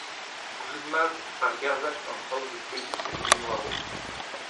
Gouzout mat argerzhad an traoù zo pouezus evit mont war-raok.